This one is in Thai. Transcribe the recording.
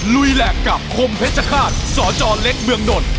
ลุยแหลกกับคมเพชรฆาตสจเล็กเมืองนล